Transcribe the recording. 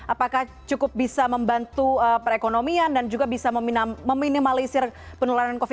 apakah cukup bisa membantu perekonomian dan juga bisa meminimalisir penularan ekonomi